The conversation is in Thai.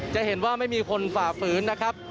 จะเห็นว่าไม่มีคนฝ่าฝืนนะครับ